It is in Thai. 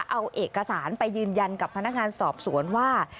เอาเอกสารไปยืนยันกับพนักงานสอบสวนว่า